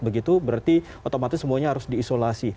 begitu berarti otomatis semuanya harus diisolasi